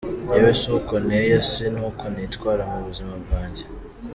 Njyewe si uko nteye, si n’uko nitwara mu buzima bwanjye.